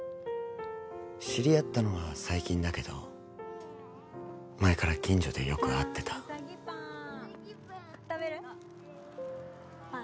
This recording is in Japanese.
知り合ったのは最近だけど前から近所でよく会ってたうさぎパン